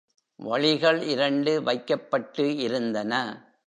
வழிகள் இரண்டு வைக்கப்பட்டு இருந்தன.